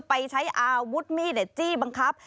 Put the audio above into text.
ไปใช้อาวุธมีดจี้บังคับ